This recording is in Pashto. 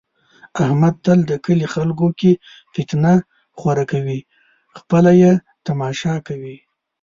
احمد تل د کلي خلکو کې فتنه خوره کوي، خپله یې تماشا کوي.